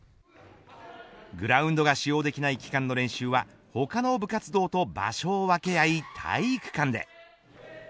グラウンドが使用できない期間の練習は他の部活動と場所を分け合い体育館で。